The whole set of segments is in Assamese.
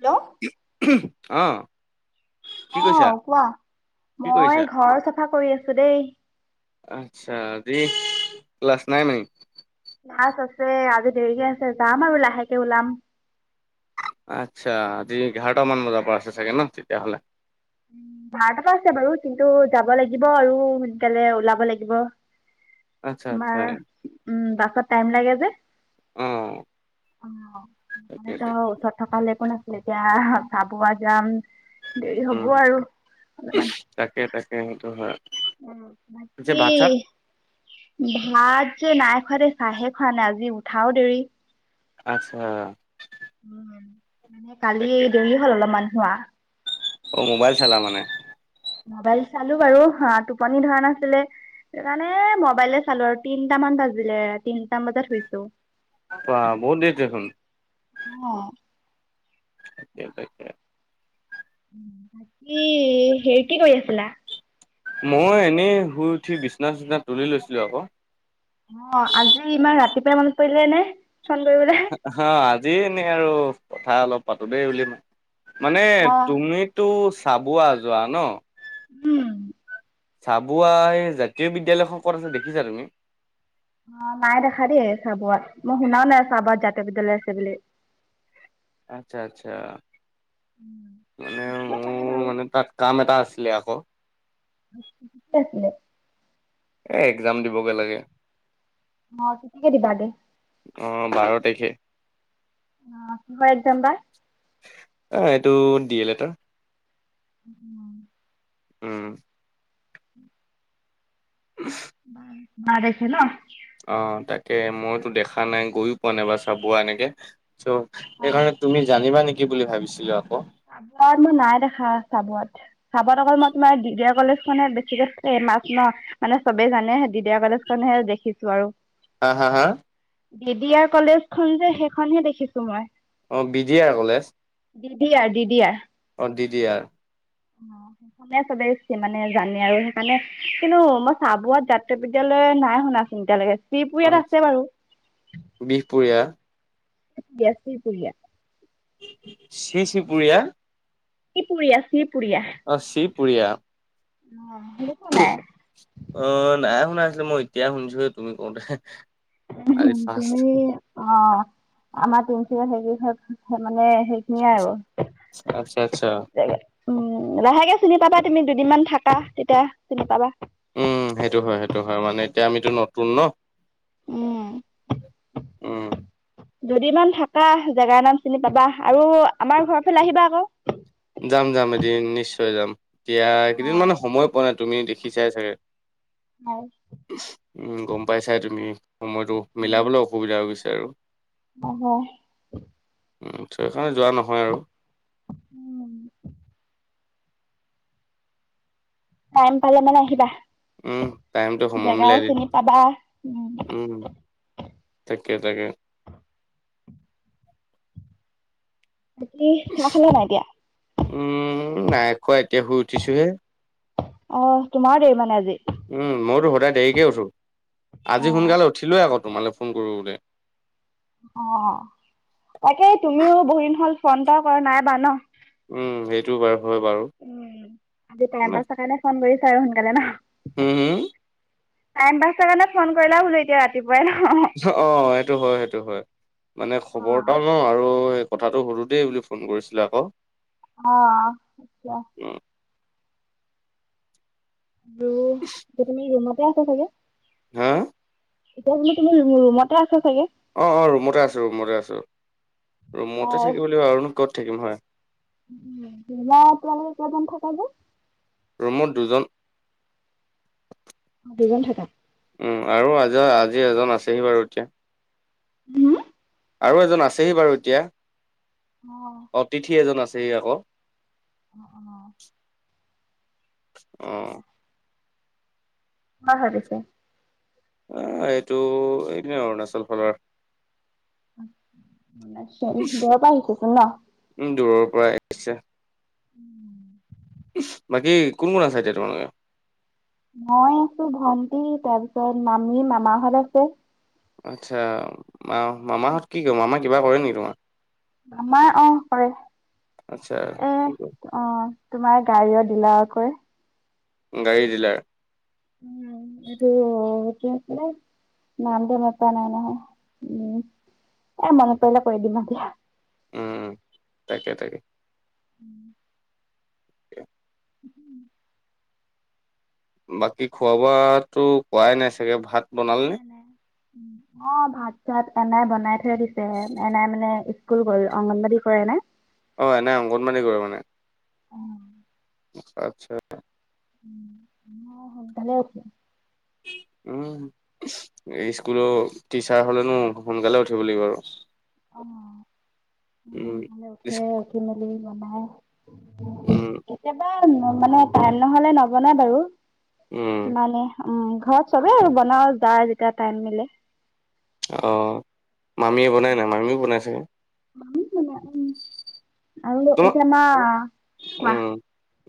হেল্ল'! অ'। অ', কোৱা কি কৰিছা মই ঘৰ চফা কৰি আছোঁ দেই। আচ্ছা [unintelligible] ক্লাছ নাই [unintelligible] ক্লাছ আছে আজি দেৰিকে আছে যাম আৰু লাহেকে ওলাম। আচ্ছা, আজি ইঘাৰটামান বজাৰ পৰা আছে চাগে ন' তেতিয়াহ'লে? বাৰটা পৰা আছে বাৰু কিন্তু যাব লাগিব আৰু সোনকালে ওলাব লাগিব। আচ্ছা আচ্ছা তোমাৰ উম, বাছত টাইম লাগে যে অ'। অ', তাকে মানেতো তাকে ওচৰত থকা হ'লে একো নাছিলে এতিয়া চাবুৱা যাম। দেৰি উম হ'ব আৰু। অলপমান তাকে তাকে সেইটো হয় উম, পিছে বাকী ভাত চাত ভাত যে, নাই খোৱা দে চাহে খোৱা নাই আজি উঠাও দেৰি। আচ্ছা। উম, মানে কালি তাকে দেৰি হ'ল অলপমান শোৱা। অ', মোবাইল চালা মানে? মোবাইল চালোঁ বাৰু অ', টোপনি ধৰা নাছিলে। সেইকাৰনে মোবাইলে চালোঁ, আৰু তিনটামান বাজিলে তিনটামান বজাত শুইছোঁ। বা বহুত দেৰি দেখোন। অ'। [unintelligible] বাকী হেৰি কি কৰি আছিলা? মই এনেই শুই উঠি বিচনা চিচনা তুলি লৈছিলোঁ আকৌ। অ', আজি ইমান ৰাতিপুৱাই মনত পৰিলেনে ফোন কৰিবলে। হা আজি এনেই আৰু কথা অলপ পাতোঁ দেই বুলি মা মানে অহ। তুমি টো চাবুৱা যোৱা ন? উম। চাবুৱাৰ এই জাতীয় বিদ্যালয়খন ক'ত আছে দেখিছা তুমি? অ নাই দেখা দেই চাবুৱাত, মই শুনাও নাই চাবুৱাত জাতীয় বিদ্যালয় আছে বুলি। আচ্ছা আচ্ছা, মানে থাকিব পাৰে মোৰ বাৰু। মানে তাত কাম এটা আছিলে আক'! কি আছিলে? এ এক্জাম দিবগে লাগে। অ কেতিয়াকে দিবা গে? অ বাৰ তাৰিখে। অ কিহৰ একজাম বা? অ এইটো ডি এল এডৰ। উম। উম। উ। বা বাৰ তাৰিখে ন? অ তাকে মইতো দেখা নাই গৈয়ো পোৱা নাইবা চাবুৱা এনেকে। চ' অ। সেইকাৰণে তুমি জানিবা নেকি বুলি ভাবিছিলোঁ আকৌ। চাৱোৱাত মই নাই দেখা চাৱোৱাত চাৱোৱাত অকল মই তোমাৰ দিয়া কলেজ খনে বেছিকে ফেমাছ ন! মানে চবে জানে দি দয়া কলেজ খনহে দেখিছোঁ আৰু। হা হা হা? দিদিয়াৰ কলেজখন যে সেইখনহে দেখিছোঁ মই। অ বিদি আৰ কলেজ? দিয়া, দি দি য়াৰ। অ দি দি আৰ। অ। শুনে চবে মানে জানে আৰু সেইকাৰণে, কিন্তু মই চাবুৱাত জাতীয় বিদ্যালয় নাই শুনা। চিন্তা লাগে, অ চিপুৰিয়াত আছে বাৰু। বিহপুৰীয়া দিয়া ছিপুৰিয়া চি চি পুৰীয়া। চি পুৰিয়া চি পুৰিয়া, অ চুবুৰীয়া অ শুনিচ নাই? অ নাই শুনা নাছিলোঁ মই এতিয়া শুনিছোৱে তুমি কওঁতে, আজি ফাৰ্ষ্ট। তুমি অ আমাৰ তিনিচুকীয়াত হেইকেখনত হে মানে হেৰি নিয়ে আৰু। আচ্ছা আচ্ছা [unintelligible] উম লাহেকে চিনি পাবা তুমি দুদিনমান থাকা তেতিয়া চিনি পাবা। উম সেইটো হয় সেইটো হয়, মানে এতিয়া আমিতো নতুন নহ। উম উম। দুদিনমান থাকা জেগাৰ নাম চিনি পাবা, আৰু আমাৰ ঘৰৰ ফালে আহিবা আকৌ। যাম যাম এদিন নিশ্চয় যাম, এতিয়া কেইদিন মানে সময় পোৱা নাই তুমি দেখি চাই চাগে। হয়। উম গম পাই চাই তুমি, সময়টো মিলাবলৈ অসুবিধা হৈ গৈছে আৰু। অ হয় উম, সেইকাৰণে যোৱা নহয় আৰু। টাইম পালে মানে আহিবা, উম, টাইমটো সময় জেগাও মিলাই দিম। চিনি পাবা উম। তাকে তাকে। বাকী খানা খালা নে নাই এতিয়া? উম' নাই খোৱা এতিয়া শুই উঠিছোঁ হে। অ'হ তোমাৰ দেৰি মানে আজি। উম' মইতো সদায় দেৰিকে উঠো, অ আজি সোনকালে উঠিলোৱেই আকৌ তোমালৈ ফোন কৰো বুলি। অ' তাকে তুমিও বহুত দিন হ'ল ফোন এটাও কৰা নাই ন। উম' সেইটোও বাৰু হয় বাৰু। উম' আজি টাইম উম, পাইছ কাৰণে ফোন কৰিছাঁ আৰু সোনকালে ন। হুম, হুম? টাইম পাইছ কাৰণে ফোন কৰিলা বোলোঁ এতিয়া ৰাতিপুৱাই অ'হ। অ'হ সেইটো হয়, সেইটো হয় মানে খবৰ অ' এটাও লও আৰু এইটো কথাটো সোধোঁ দেই বুলি ফোন কৰিছিলোঁ আকৌ। অ' আচ্ছা। উম' আৰু এতিয়া তুমি ৰুমতে আছা চাগে? হা? এতিয়া তুমি, তুমি ৰুমতে আছা চাগে? অ'হ অ'হ ৰুমতে আছোঁ, ৰুমতে আছোঁ, ৰুমতে হয়। থাকিব লাগিব আৰুনো ক'ত থাকিম হয়। উম' তোমাৰ এতিয়ালৈকে কেইজন থাকা যে? ৰুমত দুজন। দুজন থাকা। উম' আৰু আজি, আজি এজন আছেহি বাৰু এতিয়া। হুম। আৰু এজন আছেহি বাৰু এতিয়া। অ'হ অতিথি এজন আছেহি আকৌ। অ'হ অ' কৰ হয় পিছে? আহ এইটো এনে অৰুণাচল ফালৰ। আচ্ছা, ওলাইছোঁ আৰু ঘৰৰ পৰাই শিকিছোঁ ন? উম' দূৰৰ পৰাই উম'। বাকী কোন কোন আছে এতিয়া তোমালোকে? মই আছোঁ, ভন্টি, তাৰপিছত মামী, মামাহঁত আছে। আচ্ছা, মা মামাহঁত কি কৰে? মামা কিবা কৰে নেকি তোমাৰ? আমাৰ অ' কৰে আচ্ছা এ কি কৰে অ' তোমাৰ গাড়ীৰ ডিলাৰত কৰে। গাড়ী ডিলাৰ। উম' সেইটো এইটো কৰে। নামটো মনত পৰা নাই নহয়, উম' এ মনত পৰিলে কৰি দিবা দিয়া। উম' তাকে তাকে। উম'। [unintelligible] উম'। বাকী খোৱা বোৱাটো কৰাই নাই চাগে ভাত বনাল নে নাই নাই। [inaudible] অ'! ভাত-চাত এনাই বনাই থৈ দিছে। এনাই মানে, স্কুল গ'ল, অংগনৱাড়ী কৰে, এনাই। অ'! এনাই অংগনৱাড়ী কৰে মানে? অ'! আচ্ছা-আচ্ছা। উম, অ'! সোনকালে উঠো। [unintelligible] উম। স্কুলৰ টিচাৰ হ'লেনো, সোনকালে উঠিব লাগিব আৰু। অ [inaudible] উম। সেইয়ে, উঠি-মেলি বনাই উম! কেতিয়াবা, মানে, টাইম নহ'লে নবনাই বাৰু। উম! মানে, উম! ঘৰত চবেই বনাওঁ, যাৰ যেতিয়া, টাইম মিলে। অ'! মামীয়ে বনাই নাই, মামীয়ো বনাই চাগে? মামীয়ো বনাই। উম, আৰু [unintelligible] তোমা এতিয়া মা। কোৱা?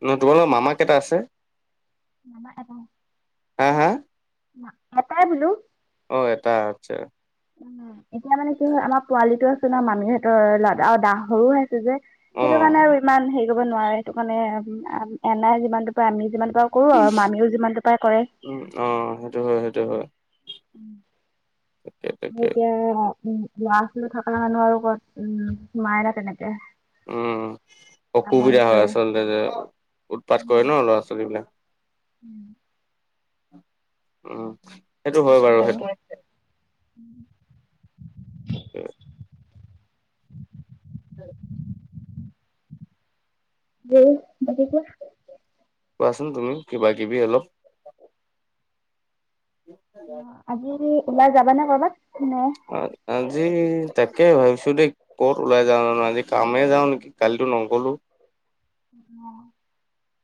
উম, তোমালোকৰ মামা কেইটা আছে? মামা এটাই। হা, হা? [inaudible] এটাই বোলোঁ। অ'! এটা, আচ্ছা। উম এতিয়া মানে, কি হয়, আমাৰ পোৱালিটো আছে ন' মামীহঁতৰ। [unintelligible] আৰু সৰু হৈ আছে যে। অ সেইটো কাৰণে আৰু ইমান সেৰি কৰিব নোৱাৰে। সেইটো কাৰণে, আঁ এনাই যিমানটো পাৰে, আমি যিমানটো পাৰোঁ, কৰোঁ আৰু। মামীয়ো যিমানটো পাৰে, কৰে। উম, অ'! সেইটো হয়-সেইটো হয়। তাকে [unintelligible] আৰু তাকে এতিয়া, অ'! উম, ল'ৰা-ছোৱালী থকা মানুহ আৰু ক'ত? উম, নোৱাৰে ন' তেনেকে। উম, আমনি অসুবিধা হয়, কৰে আচলতে যে। উৎপাত কৰে ন' ল'ৰা-ছোৱালী বিলাক। উম। উম, সেইটো হয় বাৰু সেইটো। [inaudible] [unintelligible] [unintelligible] উম, বাকী কোৱা? কোৱাচোন তুমি, কিবা-কিবি অলপ? [inaudible] [inaudible] অ' আজি ওলাই যাবানে কৰ'বাত? কোনে? আ, আজি তাকে ভাবিছোঁ দেই! ক'ত ওলাই যাওঁনো? আজি কামেই যাওঁ নেকি! কালিতো নগ'লো। [inaudible]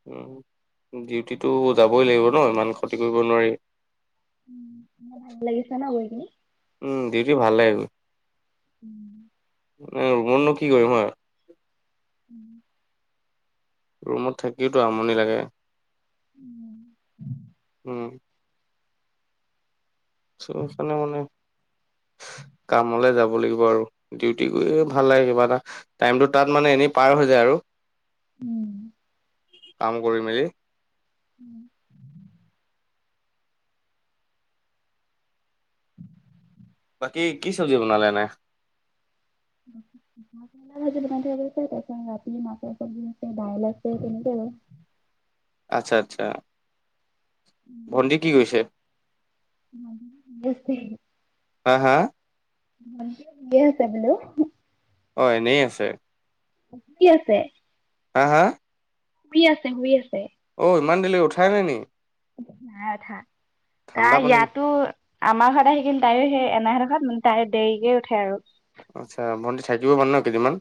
উম, ডিউটিটো যাবই লাগিব ন'। ইমান ক্ষতি কৰিব নোৱাৰি। উম, ভাল লাগিছে ন' গৈ কিনি? উম, ডিউউি ভাল লাগে, কৰি। [inaudible] [unintelligible] কি কৰিম হয়! উম! ৰুমত থাকিওতো আমনি লাগে। উম! [inaudible] উম! চ সেইকাৰণে মানে কামলে যাব লাগিব আৰু। ডিউটি কৰিয়ে ভাল লাগে কিবা এটা টাইমটো তাত মানে এনেই পাৰ হৈ যায় আৰু। উম! কাম কৰি মেলি। উম! [unintelligible] বাকী কি চব্জি বনালে এনেই? [inaudible] [unintelligible] ভাজি বনাই থৈ গৈছে তাৰপিছত ৰাতি মাছৰ চব্জি আছে, দাইল আছে তেনেকেই আৰু। আচ্ছা-আচ্ছা। ভণ্টি কি কৰিছে? আৰু হা-হা! ভণ্টি শুই আছে বোলো। অ! এনেই আছে। শুই আছে। হা-হা! শুই আছে, শুই আছে। অঁ! ইমান দেৰিলেকে উঠাই নাই নি? নাই উঠা। ঠাণ্ডা তাৰ পানী ইয়াতো আমাৰ ঘৰত আহি কিনি তাইও সেই এনাই হেঁতেৰ ঘৰত মানে তাই দেৰিকে উঠে আৰু। আচ্ছা! ভণ্টি থাকিব মানে ন কেইদিনমান?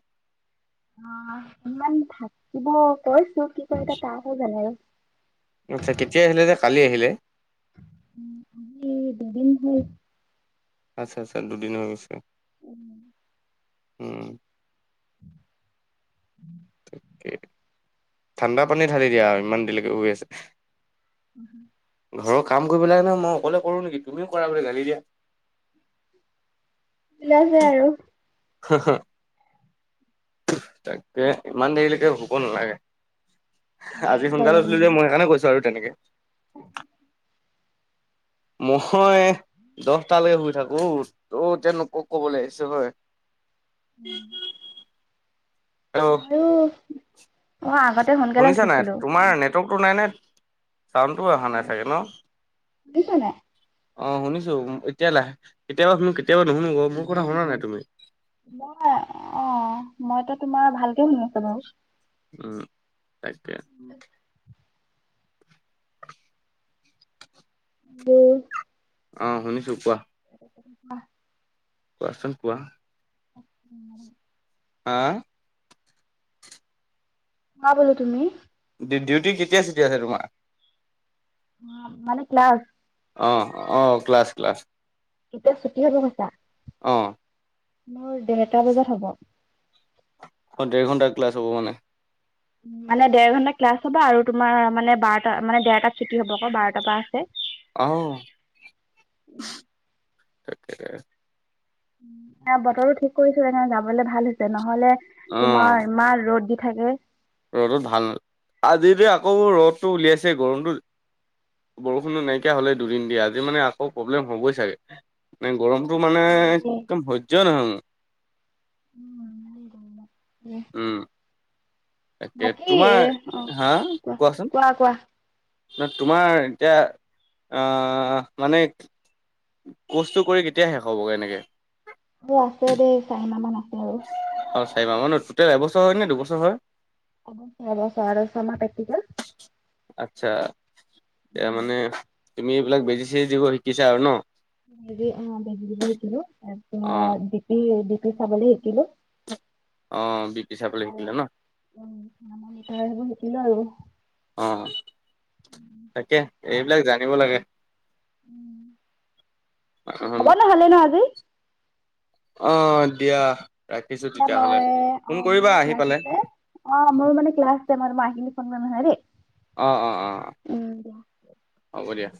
অঁ! দুদিনমান থাকিব কৈছোঁ কি কৰে এতিয়া তাইহে জানে। আচ্ছা! কেতিয়া আহিলে যে কালি আহিলে? উম! দুদিন হ'ল। আচ্ছা-আচ্ছা, দুদিন হৈ গৈছে। উম! উম! উম! ঠিকে। [inaudible] ঠাণ্ডা পানী ঢালি দিয়া আৰু ইমান দেৰিলৈকে শুই আছে। উম! হুম। ঘৰৰ কাম কৰিব লাগে নহয় মই অকলে কৰোঁ নেকি তুমি কৰা বুলি গালি দিয়া। বিলাইছে আৰু। [inaudible] [unintelligible] তাকে ইমান দেৰিলৈকে শুব নালাগে। আজি লাগে বাৰু সোনকালে উঠিলো যে উম মই সেইকাৰণে কৈছো আৰু তেনেকে। [inaudible] ম‌ই দহটালৈকে শুই থাকোঁ, ত এতিয়া নোক কবলে আহিছে হয়। [inaudible] মইয়ো, অঁ আগতে সোনকালে শুনিছা নাই উঠিছিলোঁ তোমাৰ অঁ। নেটৱৰ্কটো নাই নে চাউণ্ডটো অহা অ নাই চাগে ন? শুনিছা নাই? অঁ! শুনিছোঁ, এতিয়া লাহ কেতিয়াবা শুনো, কেতিয়াবা নুশুনো ক মোৰ কথা শুনা নাই তুমি? মই অ, মইতো তোমাৰ ভালকে শুনি আছো বাৰু। উম, তাকে। [unintelligible] অ, শুনিছোঁ। কোৱা? [unintelligible] কোৱাচোন কোৱা? [unintelligible] আঁ! কোৱা বোলো তুমি? ডিউটি কেতিয়া চুটি আছে তোমাৰ? অ, মানে ক্লাছ? অ, অ, ক্লাছ-ক্লাছ। কেতিয়া ছুটি হ'ব কৈছা? অঁ। মোৰ দেৰটা বজাত হ'ব। অ, দেৰ ঘণ্টাৰ ক্লাছ হ'ব মানে। মানে দেৰ ঘণ্টা ক্লাছ হ'ব, আৰু তোমাৰ মানে বাৰটা মানে দেৰটাত ছুটি হ'ব আকৌ, বাৰটাৰ পৰা আছে। অহ, তাকে। এ, বতৰো ঠিক কৰিছে, মানে যাবলৈ ভাল হৈছে, নহ'লে অ তোমাৰ ইমান ৰ'দ দি থাকে। ৰ'দত ভাল নাল, আজি যে আকৌ ৰ'দটো উলিয়াইছে গৰমটো বৰষুণটো নাইকিয়া হ'লে দুদিন দিয়া, আজি মানে আকৌ প্ৰব্লেম হ'বই চাগে। মানে গৰমটো মানে তাকে দেই। একদম সহ্যই নহয় মোৰ। উম। তাকে বাকী, তোমাৰ এ, অ, হা কোৱা, কোৱাচোন কোৱা, কোৱা? ন, তোমাৰ এতিয়া আহ মানে কৰ্চটো কৰি কেতিয়া শেষ হ'বগৈ এনেকে? মোৰ আছে দেই, চাৰি মাহ মান আছে আৰু। অ, চাৰিমাহ মান, টোটেল এবছৰ হয় নে দুবছৰ হয়? এবছৰ, এবছৰ আৰু ছয়মাহ প্ৰেক্টিকেল। আচ্ছা। এতিয়া মানে তুমি এইবিলাক বেজি-চেজি দিব শিকিছা আৰু ন। বেজী অ, বেজী দিব শিকিলো। অ তাৰপিছত বি পি, বি পি চাবলে শিকিলো। অ, বি পি চাবলে শিকিলা ন? উম, থাৰ্মোমিটাৰ সেইবোৰ শিকিলো আৰু। অ, তাকে। এইবিলাক জানিব লাগে। হ'ব নহ'লে ন আজি। অ, দিয়া। ৰাখিছো [unintelligible] তেতিয়াহ'লে মই অ, ফোন কৰিবা মোৰো আহি ক্লাছ পালে আছে। অ, মোৰ মানে ক্লাছ আছে, মই তোমাক আহি কেনে ফোন কৰিম নহ'লে দেই। অঁ, অঁ, অঁ, উম দিয়া হ'ব দিয়া।